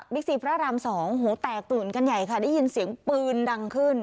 ซีพระรามสองหูแตกตื่นกันใหญ่ค่ะได้ยินเสียงปืนดังขึ้น